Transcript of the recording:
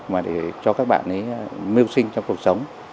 và để cho các bạn mưu sinh trong cuộc sống